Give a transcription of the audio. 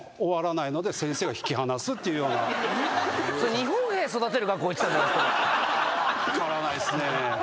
日本兵育てる学校行ってたんじゃないっすか。分からないっすね。